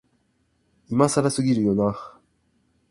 今更すぎるよな、